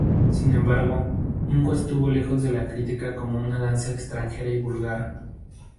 Sin embargo, nunca estuvo lejos de la crítica como una danza extranjera y vulgar.